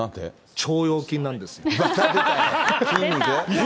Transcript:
腸腰筋なんですよ。